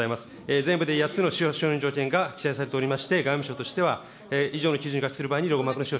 全部で８つの使用条件が記載されておりまして、外務省としては、以上の基準が場合に、ロゴマークのです。